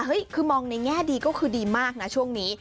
คือมองในแง่ดีก็คือดีมากนะช่วงนี้